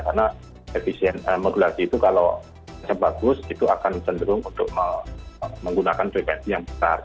karena efisien modulasi itu kalau sebagus itu akan cenderung untuk menggunakan frekuensi yang besar